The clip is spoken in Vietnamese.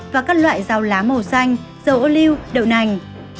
và các loại dầu lá màu xanh dầu ô liu đậu nành